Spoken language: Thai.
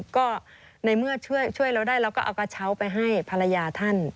ก็ในเมื่อช่วยเราได้เราก็เอากระเช้าไปให้ภรรยาท่าน